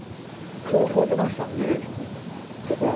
証拠出ました？